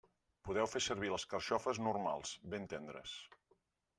Podeu fer servir les carxofes normals, ben tendres.